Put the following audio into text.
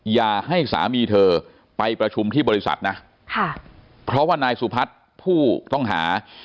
อย่าให้สามีเธอไปประชุมที่บริษัทนะค่ะเพราะว่านายสุพัฒน์ผู้ต้องหา